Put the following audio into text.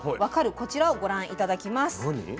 こちらをご覧頂きます。